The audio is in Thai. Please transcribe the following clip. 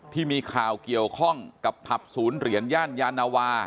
ที่มีข่าวเกี่ยวข้องกับผับศูนย์เหรียญย่านยานวา